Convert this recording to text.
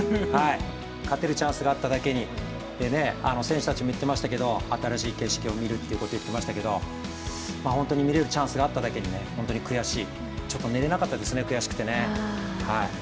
勝てるチャンスがあっただけに選手たちも言ってましたけど新しき景色を見せるって言ってましたけれどもホントに見られるチャンスがあっただけにね、ホントに悔しい、寝られなかったですね、悔しくてね